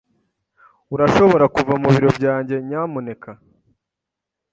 Urashobora kuva mu biro byanjye, nyamuneka?